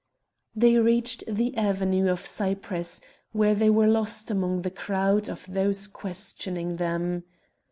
They reached the avenue of cypress, where they were lost among the crowd of those questioning them.